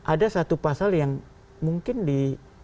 ada satu pasal yang mungkin di